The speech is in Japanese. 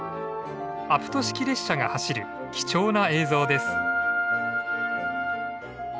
アプト式列車が走る貴重な映像です。